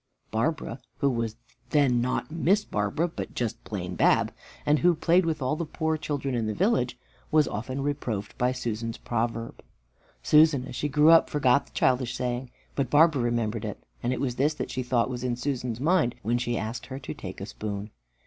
Barbara, who was then not Miss Barbara, but plain Bab, and who played with all the poor children in the village, was often reproved by Susan's proverb. Susan, as she grew up, forgot the childish saying, but Barbara remembered it, and it was this that she thought was in Susan's mind when she asked her to take a spoon.